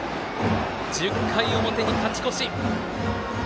１０回の表に勝ち越し。